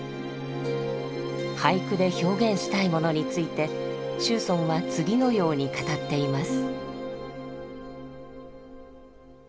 俳句で表現したいものについて楸邨は次のように語っています。